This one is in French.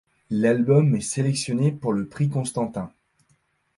L'album est sélectionné pour le Prix Constantin.